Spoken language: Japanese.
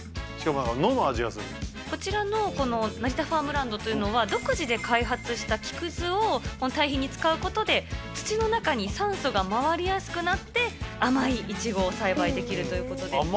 しかもなんか、こちらの成田ファームランドというのは、独自で開発した木くずをたい肥に使うことで、土の中に酸素が回りやすくなって、甘いイチゴを栽培できるということで。